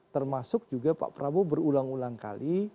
termasuk juga pak prabowo berulang ulang kali